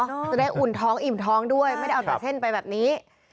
จะได้อุ่นท้องอิ่มท้องด้วยไม่ได้เอาแต่เส้นไปแบบนี้